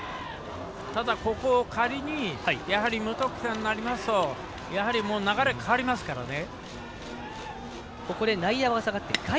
ただ、ここ仮に無得点になりますと流れは変わりますからね。